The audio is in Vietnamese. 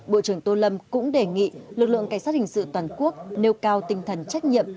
bộ trưởng tô lâm cũng đề nghị lực lượng cảnh sát hình sự toàn quốc nêu cao tinh thần trách nhiệm